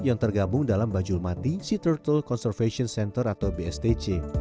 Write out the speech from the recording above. yang tergabung dalam bajulmati sea turtle conservation center atau bstc